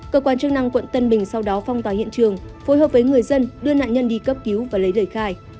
cơ quan chức năng quận tân bình sau đó phong tỏa hiện trường phối hợp với người dân đưa nạn nhân đi cấp cứu và lấy lời khai